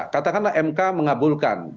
katakanlah mk mengabulkan